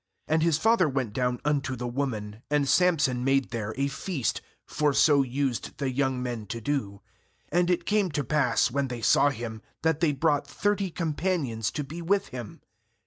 10And his father went down unto the woman; and Samson made there a feast; for so used the young men to do. uAnd it came to pass, when they saw him, that they brought thirty companions to be with him.